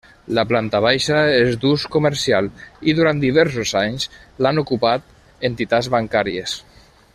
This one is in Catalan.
La planta baixa és d'ús comercial i durant diversos anys l'han ocupat entitats bancàries.